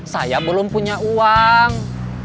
saya belum punya uang